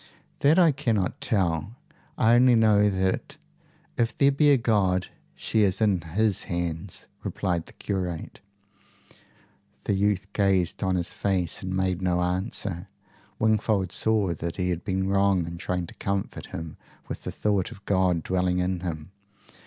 "That I cannot tell. I only know that, if there be a God, she is in his hands," replied the curate. The youth gazed on in his face and made no answer. Wingfold saw that he had been wrong in trying to comfort him with the thought of God dwelling in him.